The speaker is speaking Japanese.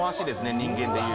人間でいう。